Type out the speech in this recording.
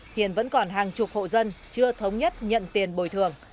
hiện vẫn còn hàng chục hộ dân chưa thống nhất nhận tiền bồi thường